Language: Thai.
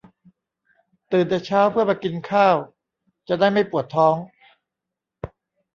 ตื่นแต่เช้าเพื่อมากินข้าว จะได้ไม่ปวดท้อง